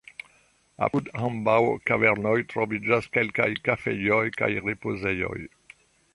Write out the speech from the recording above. Apud ambaŭ kavernoj troviĝas kelkaj kafejoj kaj ripozejoj.